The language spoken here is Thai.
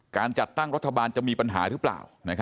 การจัดตั้งรัฐบาลจะมีปัญหาหรือเปล่า